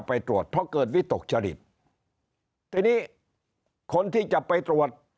ไปตรวจเพราะเกิดวิตกจริตทีนี้คนที่จะไปตรวจ